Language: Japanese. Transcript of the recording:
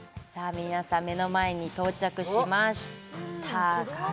皆さん目の前に到着しましたかね？